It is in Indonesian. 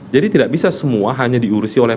jadi tidak bisa semua hanya diurusi oleh